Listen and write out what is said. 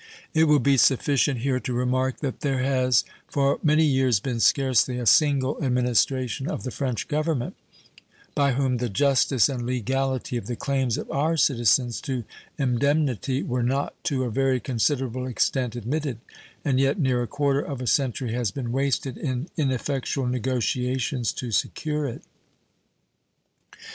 It will be sufficient here to remark that there has for many years been scarcely a single administration of the French Government by whom the justice and legality of the claims of our citizens to indemnity were not to a very considerable extent admitted, and yet near a quarter of a century has been wasted in ineffectual negotiations to secure it.